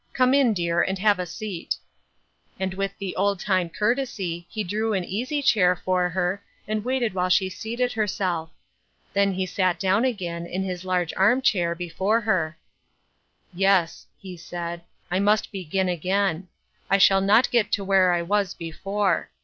Come in, dear, and have a seat." And with the old time courtesy he drew an easy chair for her and waited while she seated herself^ Then he sat down again, in his large arm chair, before her. " Yes," he said, " I must begin again. I shall not get to where I was before.